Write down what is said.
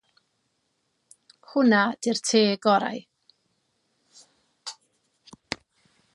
Hwnna 'di'r te gorau.